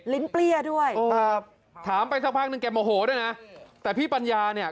ลิ้นเปรี้ยด้วยถามไปเท่าหนึ่งแกโมโหด้นะแต่พี่ปัญญาเนี้ย